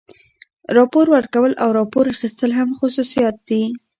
راپور ورکول او راپور اخیستل هم خصوصیات دي.